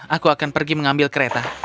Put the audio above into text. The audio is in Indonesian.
aku akan pergi mengambil kereta